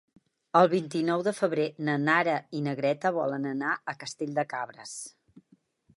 El vint-i-nou de febrer na Nara i na Greta volen anar a Castell de Cabres.